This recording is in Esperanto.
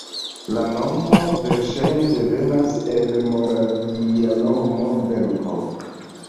La nomo verŝajne devenas el moravia nomo Benko.